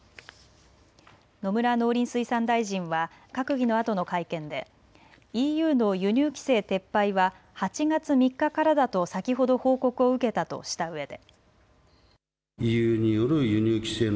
野村農林水産大臣は閣議のあとの会見でＥＵの輸入規制撤廃は８月３日からだと先ほど報告を受けたとしたうえで。